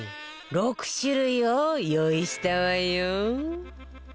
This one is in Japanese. ６種類を用意したわよ